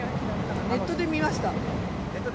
ネットで見ました。